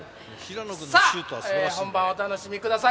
さあ、本番をお楽しみください。